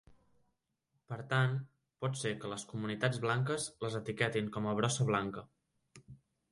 Per tant, pot ser que les comunitats blanques les etiquetin com a brossa blanca.